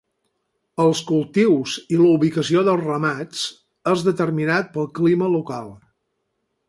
Els cultius i la ubicació dels ramats és determinat pel clima local.